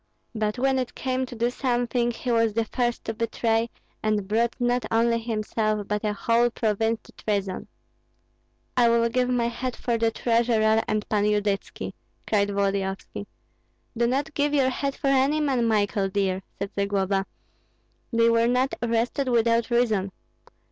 But when it came to do something, he was the first to betray, and brought not only himself, but a whole province to treason." "I will give my head for the treasurer and Pan Yudytski!" cried Volodyovski. "Do not give your head for any man, Michael dear," said Zagloba. "They were not arrested without reason.